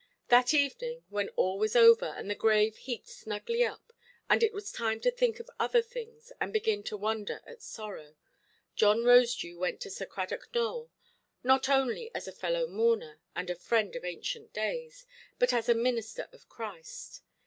That evening, when all was over, and the grave heaped snugly up, and it was time to think of other things and begin to wonder at sorrow, John Rosedew went to Sir Cradock Nowell, not only as a fellow–mourner and a friend of ancient days, but as a minister of Christ.